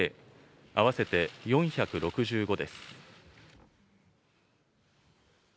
合わせて４６５です。